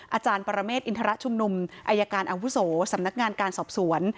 อาจารย์ปรเมฆอินทรชุมนุมอายการอาวุโสสำนักงานการสอบสวน